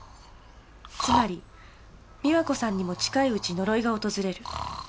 つまり美和子さんにも近いうち呪いが訪れる。